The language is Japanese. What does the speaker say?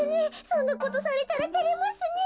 そんなことされたらてれますねえ。